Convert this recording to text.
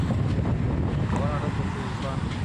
আবার নাটক করছিস, ইরফান।